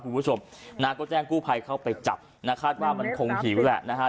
คุณผู้ชมนะก็แจ้งกู้ภัยเข้าไปจับนะคาดว่ามันคงหิวแหละนะฮะ